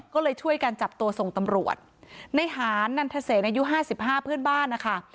ก็เลยช่วยกันจับตัวส่งตำรวจในหานนันทเศษอายุห้าสิบห้าเพื่อนบ้านนะคะ